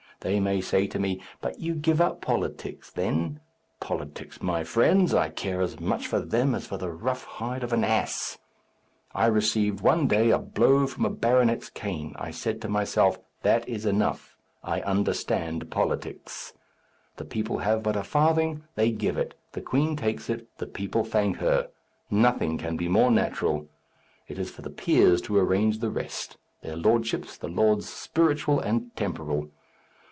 They may say to me, 'But you give up politics, then?' Politics, my friends! I care as much for them as for the rough hide of an ass. I received, one day, a blow from a baronet's cane. I said to myself, That is enough: I understand politics. The people have but a farthing, they give it; the queen takes it, the people thank her. Nothing can be more natural. It is for the peers to arrange the rest; their lordships, the lords spiritual and temporal.